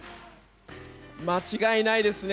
間違いないですね。